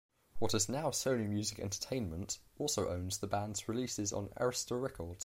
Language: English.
What is now Sony Music Entertainment also owns the band's releases on Arista Records.